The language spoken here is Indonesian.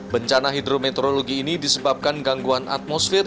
karena hidrometeorologi ini disebabkan gangguan atmosfer